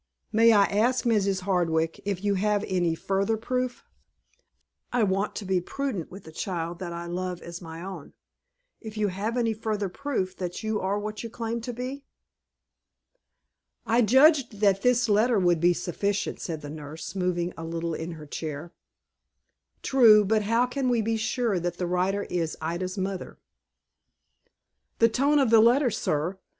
May I ask, Mrs. Hardwick, if you have any further proof. I want to be prudent with a child that I love as my own, if you have any further proof that you are what you claim to be?" "I judged that this letter would be sufficient," said the nurse; moving a little in her chair. "True; but how can we be sure that the writer is Ida's mother?" "The tone of the letter, sir.